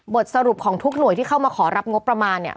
สรุปของทุกหน่วยที่เข้ามาขอรับงบประมาณเนี่ย